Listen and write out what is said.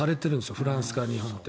フランスから日本って。